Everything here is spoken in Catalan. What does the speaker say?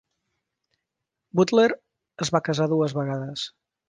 Butler es va casar dues vegades.